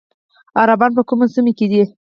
عربان په کومو سیمو کې دي؟